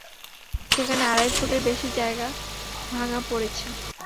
সেখানে আড়াই ফুটের বেশি জায়গা ভাঙা পড়েছে।